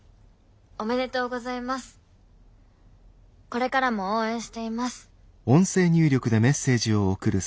これからも応援しています。